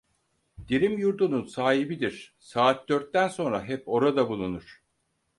Dirim Yurdu'nun sahibidir, saat dörtten sonra hep orada bulunur.